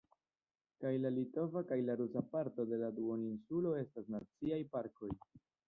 Kaj la litova kaj la rusa parto de la duoninsulo estas Naciaj Parkoj.